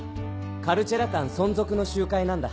カルチェラタン存続の集会なんだ。